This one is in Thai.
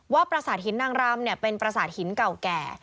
ประสาทหินนางรำเป็นประสาทหินเก่าแก่